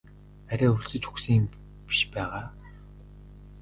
Арай өлсөж үхсэн юм биш байгаа?